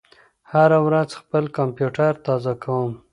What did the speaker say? زه هره ورځ خپل کمپیوټر تازه کوم.